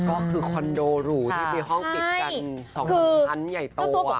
ก็คือคอนโดหรูที่มีห้องติดกัน๒๓ชั้นใหญ่โต